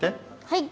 はい。